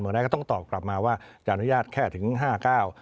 เหมือนแรกก็ต้องตอบกลับมาว่าจะอนุญาตแค่ถึง๕เก้า